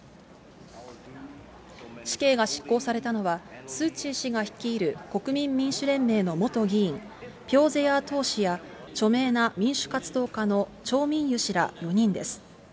死刑が執行されたのは、スーチー氏が率いる国民民主連盟の元議員、ピョー・ゼヤー・トー氏や、著名な民主活動家のチョー・ミン・ユ氏ら４人です。